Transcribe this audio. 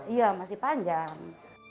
iya masih panjang